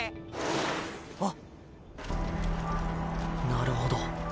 なるほど。